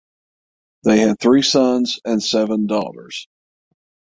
They had three sons and seven daughters.